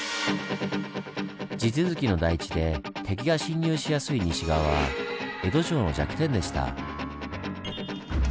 地続きの台地で敵が侵入しやすい西側は江戸城の弱点でした。